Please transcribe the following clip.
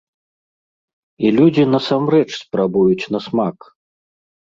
І людзі насамрэч спрабуюць на смак!